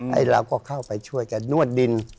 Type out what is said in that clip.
เราก็เข้าไปช่วยกันนวดดิน